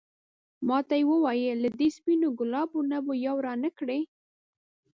ما تا ته وویل له دې سپينو ګلابو نه به یو رانه کړې.